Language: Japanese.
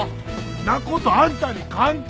んなことあんたに関係な。